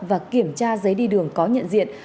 và kiểm tra giấy đi đường có nhận diện